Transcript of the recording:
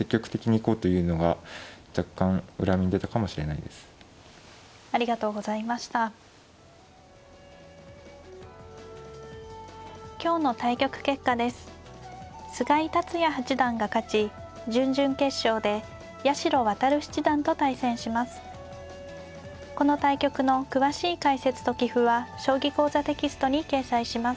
この対局の詳しい解説と棋譜は「将棋講座」テキストに掲載します。